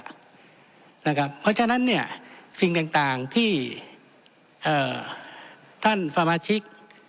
เพราะฉะนั้นเนี้ยสิ่งต่างต่างที่เอ่อท่านฟะมาชิก